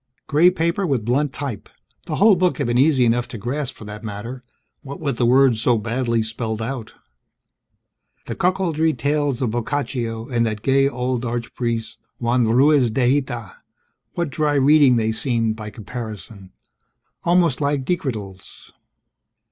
Gray paper with blunt type, the whole book had been easy enough to grasp for that matter what with the words so badly spelled out. The cuckoldry tales of Boccaccio and that gay old archpriest, Juan Ruiz de Hita, what dry reading they seemed by comparison almost like decretals.